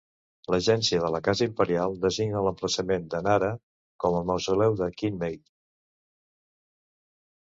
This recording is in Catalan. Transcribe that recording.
L'Agència de la Casa Imperial designa l'emplaçament de Nara como el mausoleu de Kinmei.